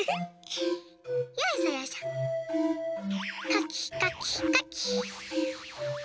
かきかきかき。